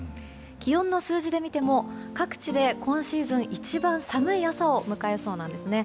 気温の数字で見ても各地で今シーズン一番寒い朝を迎えそうなんですね。